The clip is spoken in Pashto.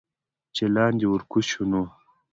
چې لاندې ورکوز شو نو